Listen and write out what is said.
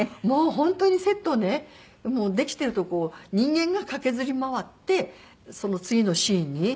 もう本当にセットねできてる所を人間が駆けずり回ってその次のシーンに。